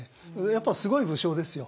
やっぱすごい武将ですよ。